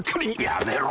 やめろ！